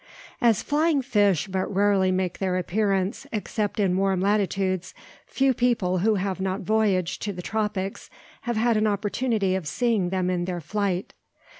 As flying fish but rarely make their appearance except in warm latitudes, few people who have not voyaged to the tropics have had an opportunity of seeing them in their flight.